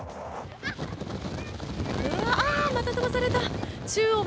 また、飛ばされた。